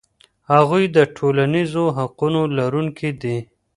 هغوی د ټولنیزو حقونو لرونکي دي.